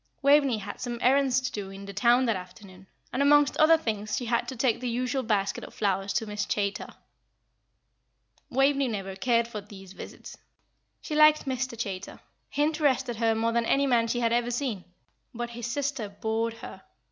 Waveney had some errands to do in the town that afternoon, and amongst other things she had to take the usual basket of flowers to Miss Chaytor. Waveney never cared for these visits. She liked Mr. Chaytor he interested her more than any man she had ever seen; but his sister bored her.